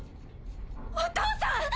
お父さん！